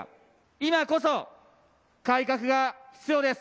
今こそ改革が必要です。